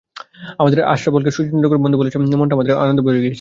আমাদের আশরাফুলকে শচীন টেন্ডুলকার বন্ধু বলছেন শুনে আমার মনটা আনন্দে ভরে গিয়েছিল।